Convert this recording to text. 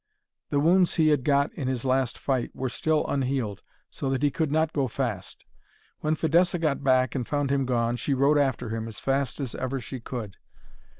The wounds he had got in his last fight were still unhealed, so that he could not go fast. When Fidessa got back and found him gone, she rode after him as fast as ever she could.